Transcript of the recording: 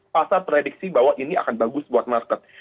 pasar prediksi bahwa ini akan bagus buat market